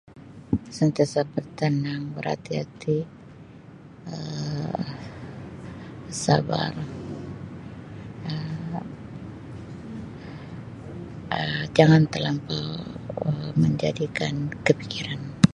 Sentiasa bertenang, berhati-hati Um bersabar Um jangan telampau Um menjadikan kepikiran.